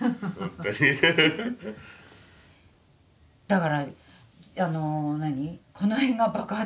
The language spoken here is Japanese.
だからあの何？